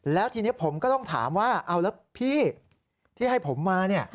แล้วทีนี้ผมก็ต้องถามว่าเอาแล้วพี่ที่ให้ผมมาเนี่ย